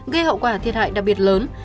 gây hậu quả thiệt hại đặc biệt lớn